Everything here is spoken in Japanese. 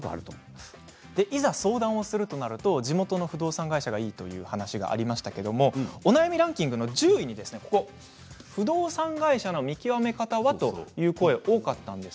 いざ相談するとなると地元の不動産会社がいいという話がありましたがお悩みランキングの１０位に不動産会社の見極め方は？という声が多かったんです。